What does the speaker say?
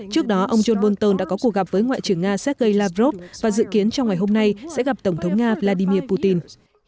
trước đó ông john bolton đã có cuộc gặp với ngoại trưởng nga sergei lavrov và dự kiến trong ngày hôm nay sẽ gặp tổng thống nga vladimir putin